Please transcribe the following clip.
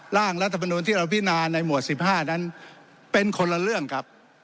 ร่างรัฐมนุนที่เราพินาในหมวด๑๕นั้นเป็นคนละเรื่องครับ